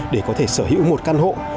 để có thể sở hữu một căn hộ